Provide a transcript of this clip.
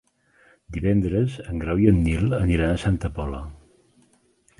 Divendres en Grau i en Nil aniran a Santa Pola.